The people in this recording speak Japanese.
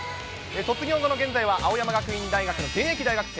卒業後の現在は、青山大学の現役大学生。